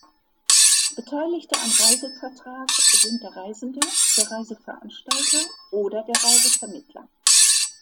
Beteiligte am Reisevertrag sind der Reisende, der Reiseveranstalter oder der Reisevermittler.